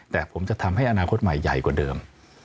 แต่ผมจะทำให้อนาคตใหม่ใหญ่กว่าเดิม